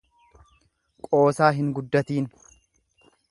Qoosaa hin guddatiin.